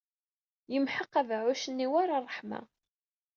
Yemḥeq abeɛɛuc-nni war ṛṛeḥma.